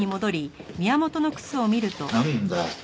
なんだよ？